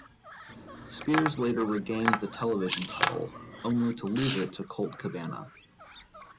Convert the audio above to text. Spears later regained the Television Title, only to lose it to Colt Cabana.